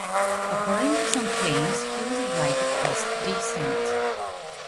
According to some claims he was of writer caste descent.